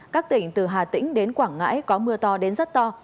các tỉnh từ hà tĩnh đến quảng ngãi có mưa to đến rất to